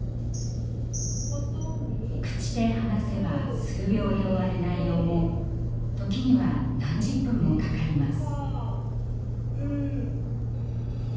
口で話せば数秒で終わる内容も時には何十分もかかります。